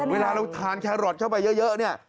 เวลาเราทานแครอทเข้าไปเยอะเนี่ย